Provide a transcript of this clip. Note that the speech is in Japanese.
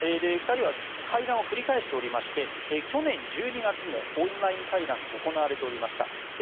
２人は会談を繰り返しておりまして去年１２月もオンライン会談が行われておりました。